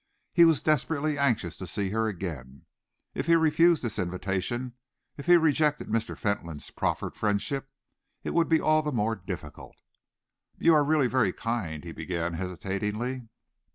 He was desperately anxious to see her again. If he refused this invitation, if he rejected Mr. Fentolin's proffered friendship, it would be all the more difficult. "You are really very kind," he began hesitatingly